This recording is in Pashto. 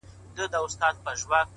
ستا غمونه مي د فكر مېلمانه سي _